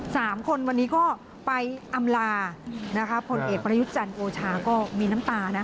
สามคนวันนี้ก็ไปอำลานะคะผลเอกประยุทธ์จันทร์โอชาก็มีน้ำตานะ